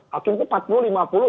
hakim tuh empat puluh